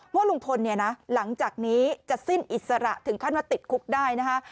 ว่าลุงพลเนี่ยนะหลังจากนี้จะสิ้นอิสระถึงขั้นว่าติดคุกได้นะคะ